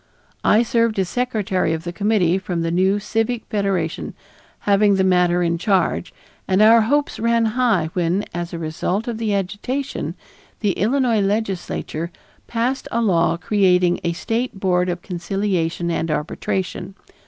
I served as secretary of the committee from the new Civic Federation having the matter in charge, and our hopes ran high when, as a result of the agitation, the Illinois legislature passed a law creating a State Board of Conciliation and Arbitration.